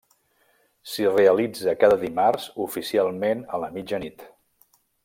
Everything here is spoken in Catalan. S'hi realitza cada dimarts oficialment a la mitjanit.